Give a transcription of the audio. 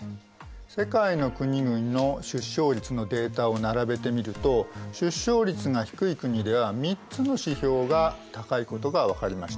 世界の国々の出生率のデータを並べてみると出生率が低い国では３つの指標が高いことが分かりました。